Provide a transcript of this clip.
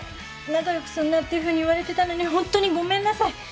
仲良くすんなっていうふうに言われてたのにホントにごめんなさい。